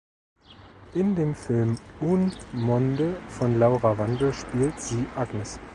In dem Film "Un monde" von Laura Wandel spielt sie Agnes.